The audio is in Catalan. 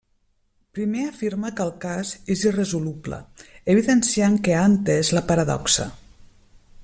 Primer afirma que el cas és irresoluble, evidenciant que ha entès la paradoxa.